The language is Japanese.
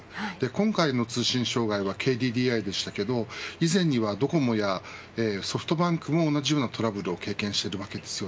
今回の通信障害はＫＤＤＩでしたが、以前にはドコモやソフトバンクも同じようなトラブルを経験しています。